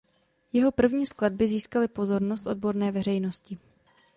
Jeho první skladby získaly pozornost odborné veřejnosti.